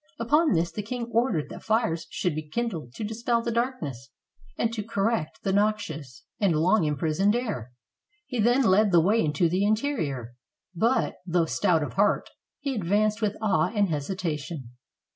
Upon this, the king ordered that fires should be kindled to dispel the darkness, and to correct the nox 437 SPAIN ious and long imprisoned air; he then led the way into the interior; but, though stout of heart, he advanced with awe and hesitation.